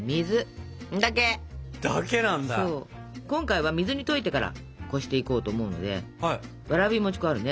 今回は水に溶いてからこしていこうと思うのでわらび餅粉あるね？